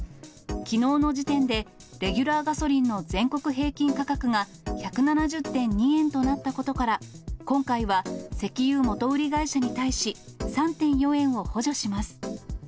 きのうの時点で、レギュラーガソリンの全国平均価格が１７０．２円となったことから、今回は石油元売り会社に対し、３．４円を補助します。